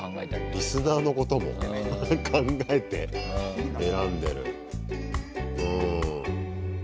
リスナーのことも考えて選んでる。